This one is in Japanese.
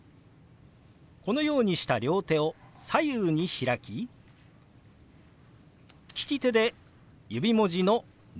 このようにした両手を左右に開き利き手で指文字の「ノ」と表します。